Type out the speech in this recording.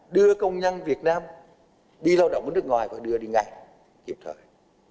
đưa công nhân việt nam đi lao động ở nước ngoài và đưa đi ngay kịp thời